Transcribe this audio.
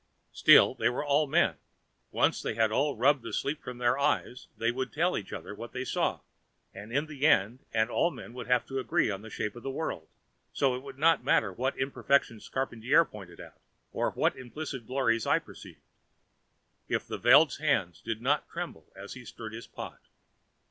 Still, they were all men. Once they had all rubbed the sleep from their eyes they would tell each other what they saw, and in the end and all men would have agreed on the shape of the world, so it would not matter what imperfections Charpantier pointed out, or what implicit glories I perceived. If the Veld's hand did not tremble as he stirred his pot.